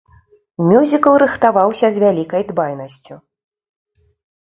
Мюзікл рыхтаваўся з вялікай дбайнасцю.